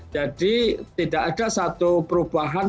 jadi tidak ada satu perubahan